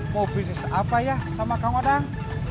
mau bisnis apa ya sama kang odang